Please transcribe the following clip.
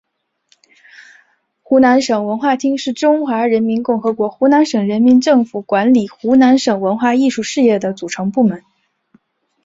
湖南省文化厅是中华人民共和国湖南省人民政府管理湖南省文化艺术事业的组成部门。